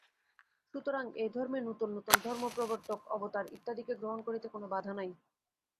সুতরাং এই ধর্মে নূতন নূতন ধর্মপ্রবর্তক, অবতার ইত্যাদিকে গ্রহণ করিতে কোন বাধা নাই।